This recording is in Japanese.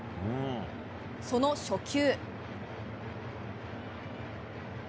その初球。